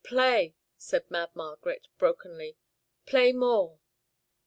"Play," said Mad Margaret, brokenly, "play more."